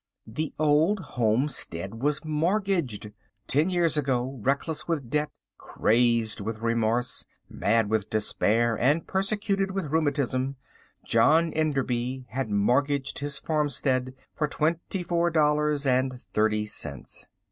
The Old Homestead was mortgaged! Ten years ago, reckless with debt, crazed with remorse, mad with despair and persecuted with rheumatism, John Enderby had mortgaged his farmstead for twenty four dollars and thirty cents.